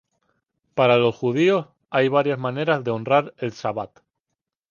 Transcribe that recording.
Para los judíos, hay varias maneras de honrar el sabbat.